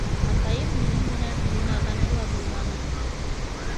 Атайым минең менән уйнағаны ла булманы.